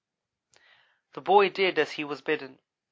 The boy did as he was bidden.